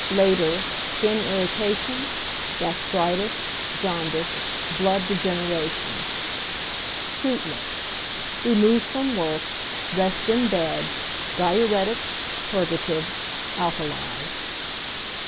Later, skin irritation, gastritis, jaundice, blood degeneration. Treatment. Remove from work, rest in bed, diuretics, purgatives, alkalies.